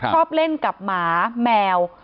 ชอบเล่นกับหมาแมว